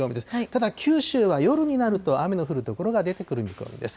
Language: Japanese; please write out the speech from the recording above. ただ、九州は夜になると雨の降る所が出てくる見込みです。